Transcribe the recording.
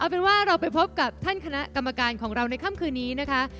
เป็นว่าเราไปพบกับท่านคณะกรรมการของเราในค่ำคืนนี้นะคะ